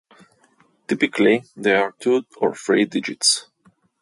Typically they are two or three digits.